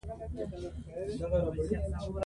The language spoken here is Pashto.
دښتې د افغانستان په هره برخه کې موندل کېږي.